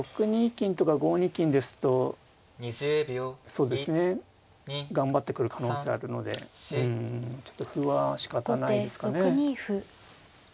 金とか５二金ですとそうですね頑張ってくる可能性あるのでうんちょっと歩はしかたないですかね。